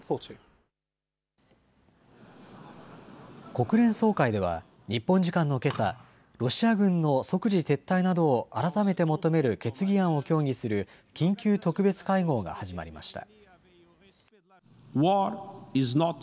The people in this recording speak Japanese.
国連総会では、日本時間のけさ、ロシア軍の即時撤退などを改めて求める決議案を協議する緊急特別会合が始まりました。